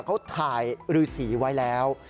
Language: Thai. เขาถ่ายรือสีไว้แล้ว